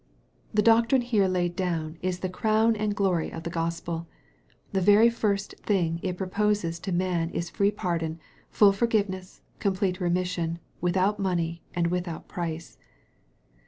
The doctrine here laid down is the crown and glory ot the Gospel. The very fir^t thing it proposes to man is free pardon, full forgivencs., complete remission, without money and without price.